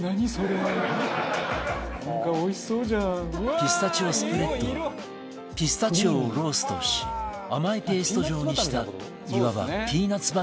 ピスタチオスプレッドはピスタチオをローストし甘いペースト状にしたいわばピーナッツバターのピスタチオ版